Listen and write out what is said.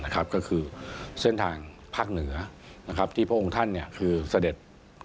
ก็คือเส้นทางภาคเหนือที่พระองค์ท่านคือเสด็จ